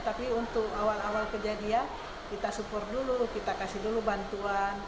tapi untuk awal awal kejadian kita support dulu kita kasih dulu bantuan